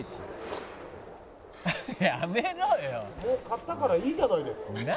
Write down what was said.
「もう勝ったからいいじゃないですか」